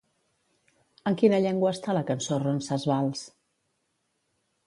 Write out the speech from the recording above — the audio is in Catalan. En quina llengua està la cançó Ronsasvals?